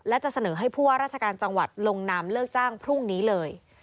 และจะเสนอให้ผู้ว่าราชการจังหวัดลงนามเลิกจ้างพรุ่งนี้เลย